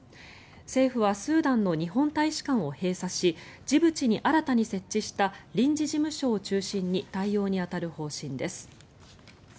政府はスーダンの日本大使館を閉鎖しジブチに新たに設置した臨時事務所を中心に対応に当たる方針です。